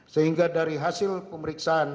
sehingga dari hasil pemeriksaan